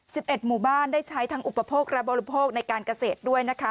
สิบเอ็ดหมู่บ้านได้ใช้ทั้งอุปโภคและบริโภคในการเกษตรด้วยนะคะ